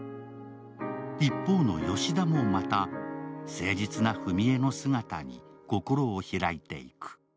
一方のヨシダもまた、誠実な史絵の姿に心を開いていく。